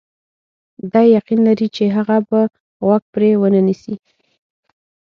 دی یقین لري چې هغه به غوږ پرې ونه نیسي.